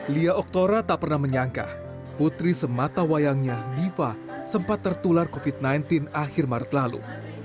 lia oktora tak pernah menyangka putri sematawayangnya diva sempat tertular covid sembilan belas akhir maret lalu